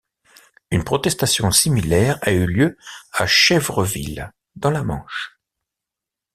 Une protestation similaire a eu lieu à Chèvreville dans la Manche.